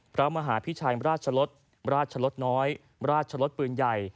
พระมหาพิชัยราชลดราชลดน้อยราชลดปืนใหญ่